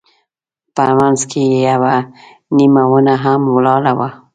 په منځ کې یوه نیمه ونه هم ولاړه وه.